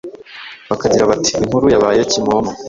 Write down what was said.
bakagira bati “Inkuru yabaye kimomo”.